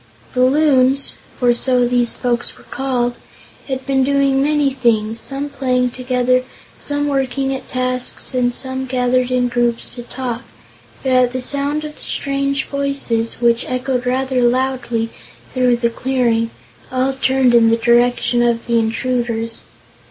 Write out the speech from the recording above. The Loons for so these folks were called had been doing many things, some playing together, some working at tasks and some gathered in groups to talk; but at the sound of strange voices, which echoed rather loudly through the clearing, all turned in the direction of the intruders.